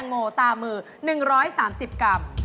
โปรดติดตามต่อไป